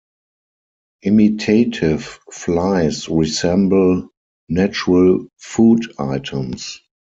Imitative flies resemble natural food items.